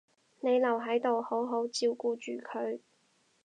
你留喺度好好照顧住佢